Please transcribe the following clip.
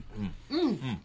うん。